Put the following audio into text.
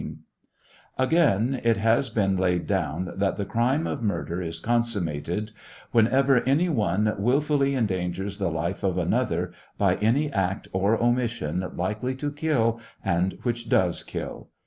18.) Again, it has been laid down that the crime of murder is consummated " whensoever any one wilfully endangers the life of another by any act or omis sion likely to kill, and which does kill."